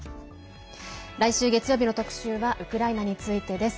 来週月曜日の特集はウクライナについてです。